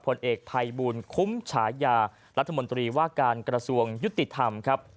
ผลเอกภัยบูลคุ้มฉายารัฐมนตรีว่าการกระทรวงยุติธรรมครับ